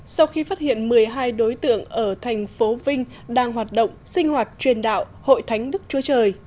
sau khi phát hiện một mươi hai đối tượng ở thành phố vinh đang hoạt động sinh hoạt truyền đạo hội thánh đức chúa trời